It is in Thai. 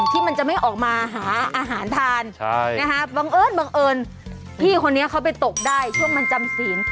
ที่มันจะไม่ออกมาหาอาหารทานบังเอิญบังเอิญพี่คนนี้เขาไปตกได้ช่วงมันจำศีล